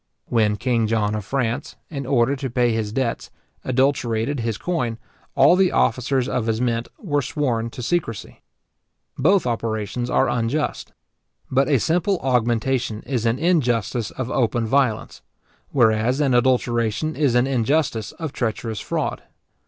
When king John of France, {See Du Cange Glossary, voce Moneta; the Benedictine Edition.} in order to pay his debts, adulterated his coin, all the officers of his mint were sworn to secrecy. Both operations are unjust. But a simple augmentation is an injustice of open violence; whereas an adulteration is an injustice of treacherous fraud.